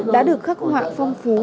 đã được khắc họa phong phú